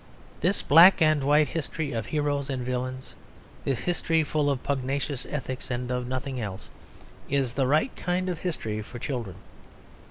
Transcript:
This black and white history of heroes and villains; this history full of pugnacious ethics and of nothing else, is the right kind of history for children.